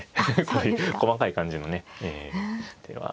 こういう細かい感じのね手は。